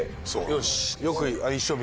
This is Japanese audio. よし！